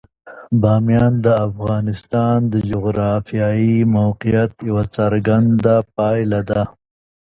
بامیان د افغانستان د جغرافیایي موقیعت یوه څرګنده پایله ده.